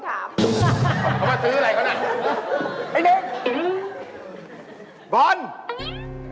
เขามาซื้ออะไรก่อนน่ะ